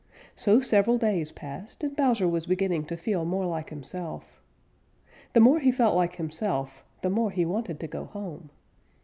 So several days passed, and Bowser was beginning to feel more like himself. The more he felt like himself, the more he wanted to go home.